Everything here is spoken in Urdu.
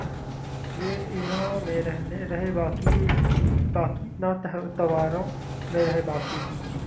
نہ ایراں میں رہے باقی نہ توراں میں رہے باقی